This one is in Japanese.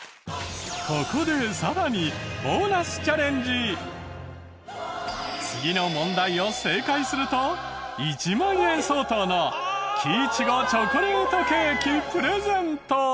ここでさらに次の問題を正解すると１万円相当のキイチゴチョコレートケーキプレゼント！